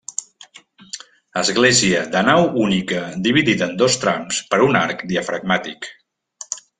Església de nau única dividida en dos trams per un arc diafragmàtic.